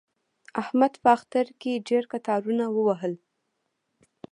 احمد په اختر کې ډېر قطارونه ووهل.